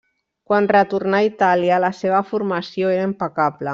Quan retornà a Itàlia, la seva formació era impecable.